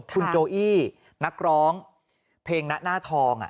คุณโจอี้นักร้องเพลงนะหน้าทอง